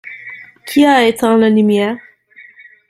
Qui a éteint la lumière ?